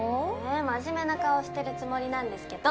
え真面目な顔してるつもりなんですけど！